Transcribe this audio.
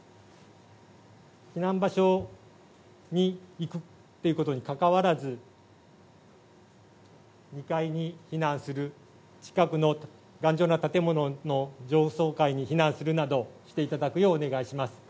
避難場所に行くっていうことに関わらず、２階に避難する、近くの頑丈な建物の上層階に避難するなどしていただくようお願いします。